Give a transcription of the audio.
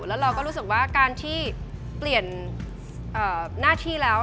แล้วเราก็รู้สึกว่าการที่เปลี่ยนหน้าที่แล้ว